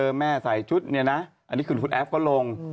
สามารถให้คุณแม่ใส่ชุดเนี้ยนะอันนี้คือครูแอฟก็ลง